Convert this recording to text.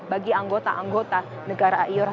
bagi anggota anggota negara iora